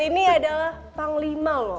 ini adalah panglima loh